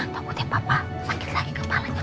takutnya bapak sakit lagi kepalanya